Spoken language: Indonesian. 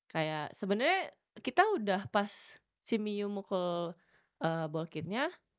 kayak sebenarnya kita udah pas si miyu mukul ball kitnya